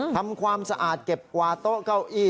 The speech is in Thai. ทำความสะอาดเก็บกวาดโต๊ะเก้าอี้